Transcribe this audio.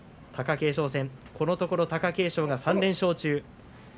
貴景勝戦、このところ貴景勝が３連勝中。